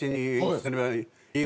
それは。